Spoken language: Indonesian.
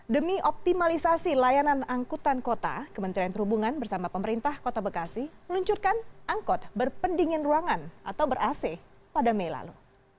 demi optimalisasi layanan angkutan kota kementerian perhubungan bersama pemerintah kota bekasi meluncurkan angkot berpendingin ruangan atau ber ac pada mei lalu